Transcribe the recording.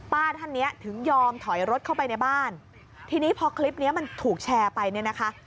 ท่านเนี้ยถึงยอมถอยรถเข้าไปในบ้านทีนี้พอคลิปนี้มันถูกแชร์ไปเนี่ยนะคะ